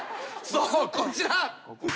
そうこちら。